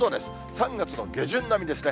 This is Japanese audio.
３月の下旬並みですね。